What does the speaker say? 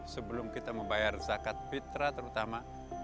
sebelum kita membayar zakat fitrah terutama